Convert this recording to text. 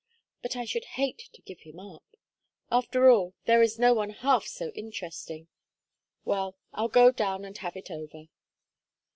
"But I should hate to give him up. After all, there is no one half so interesting. Well, I'll go down and have it over."